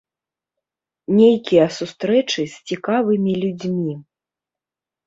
Нейкія сустрэчы з цікавымі людзьмі.